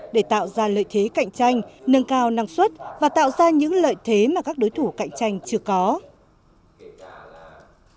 để tạo ra lợi thế cạnh tranh nâng cao năng suất và tạo ra những lợi thế mà các đối thủ cạnh tranh chưa có